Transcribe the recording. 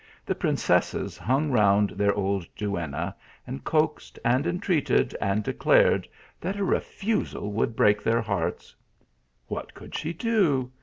The princesses hung round their old duenna, and coaxed and entreated, and declared that a refusal would break their hearts. What could she do